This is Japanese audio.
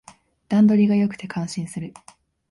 段取りが良くて感心する